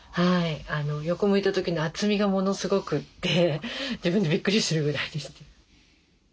横向いた時の厚みがものすごくて自分でびっくりするぐらいですね。